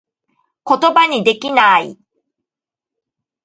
ことばにできなぁい